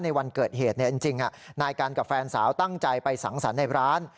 วันเกิดเหตุจริงนายกันกับแฟนสาวตั้งใจไปสังสรรค์ในร้าน